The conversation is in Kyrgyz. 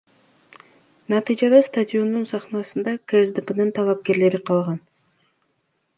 Натыйжада стадиондун сахнасында КСДПнын талапкери калган.